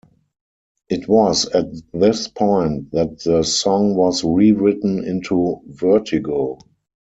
It was at this point that the song was rewritten into Vertigo.